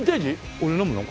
俺飲むの？